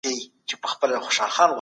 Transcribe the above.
څه ډول فزیکي فعالیت ذهني فشار راټیټوي؟